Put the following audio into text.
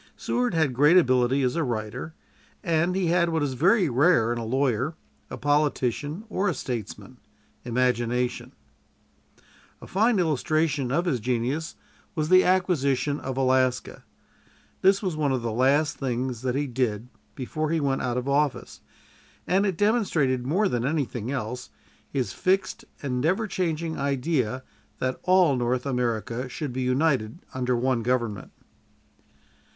Seward had great ability as a writer, and he had what is very rare in a lawyer, a politician, or a statesman imagination. A fine illustration of his genius was the acquisition of Alaska. That was one of the last things that he did before he went out of office, and it demonstrated more than anything else his fixed and never changing idea that all North America should be united under one government.